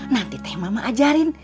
nanti teh mama ajarin